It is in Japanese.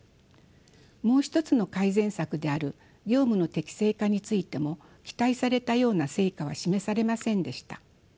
もう一つの改善策である業務の適正化についても期待されたような成果は示されませんでした。